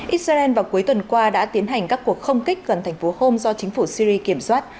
israel vào cuối tuần qua đã tiến hành các cuộc không kích gần thành phố home do chính phủ syri kiểm soát